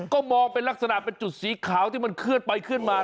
ก็มองเป็นลักษณะเป็นจุดสีขาวที่มันเคลื่อนไปเคลื่อนมา